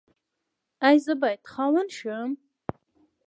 ایا زه باید خاوند شم؟